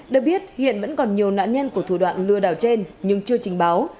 được biết hiện vẫn còn nhiều nạn nhân của thủ đoạn lừa đảo trên nhưng chưa trình báo